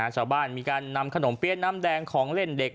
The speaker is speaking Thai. ชาวบ้านมีการนำขนมเปี๊ยะน้ำแดงของเล่นเด็ก